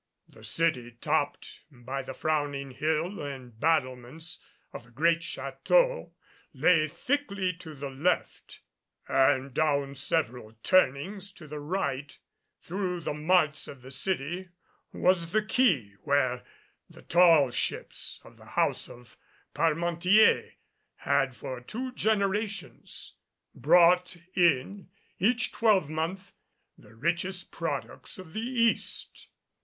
The city, topped by the frowning hill and battlements of the great Château, lay thickly to the left; and down several turnings to the right through the marts of the city was the quay where the tall ships of the house of Parmentier had for two generations brought in, each twelvemonth, the richest products of the East.